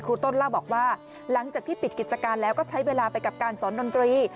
ต้นเล่าบอกว่าหลังจากที่ปิดกิจการแล้วก็ใช้เวลาไปกับการสอนดนตรี